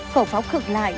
khẩu pháo cực lại